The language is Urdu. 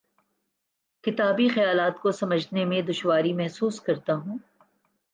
کتابی خیالات کو سمجھنے میں دشواری محسوس کرتا ہوں